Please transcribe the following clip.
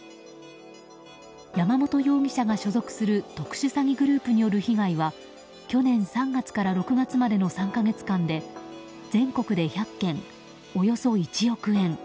山本容疑者が所属する特殊詐欺グループによる被害は去年３月から６月までの３か月間で全国で１００件、およそ１億円。